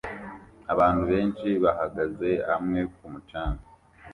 Abantu benshi bahagaze hamwe ku mucanga